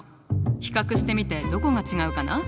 比較してみてどこが違うかな？